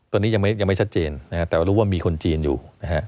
ตอนนี้ยังไม่ชัดเจนแต่ว่ารู้ว่ามีคนจีนอยู่นะฮะ